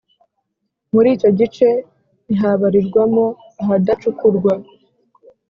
Muri icyo gice ntihabarirwamo ahadacukurwa